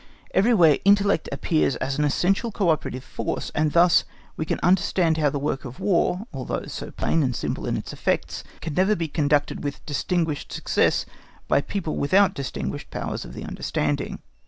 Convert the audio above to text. Everywhere intellect appears as an essential co operative force; and thus we can understand how the work of War, although so plain and simple in its effects, can never be conducted with distinguished success by people without distinguished powers of the understanding.